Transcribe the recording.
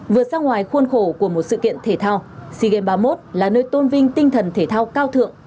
vượt sang ngoài khuôn khổ của một sự kiện thể thao si game ba mươi một là nơi tôn vinh tinh thần thể thao cao thượng